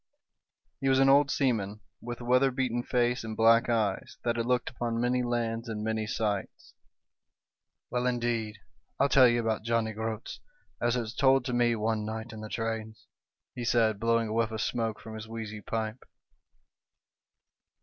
HE was an old seaman, with weather beaten face and black eyes, that had looked upon many lands and many sights. "Well, indeed, I'll tell you about Johnny Groats as it was told to me one night in the trades," he said, blowing a whiff of smoke from his wheezy pipe.